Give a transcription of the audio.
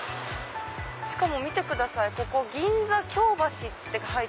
しかも見てください